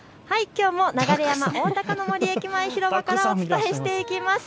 きょうも流山おおたかの森駅駅前広場からお伝えしていきます。